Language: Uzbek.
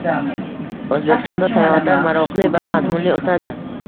O‘zbekistonda sayohatlar maroqli va mazmunli o‘tadi